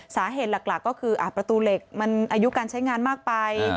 สาเหตุหลักก็คือประตูเหล็กมันอายุการใช้งานมากไป